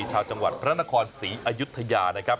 ชาวจังหวัดพระนครศรีอายุทยานะครับ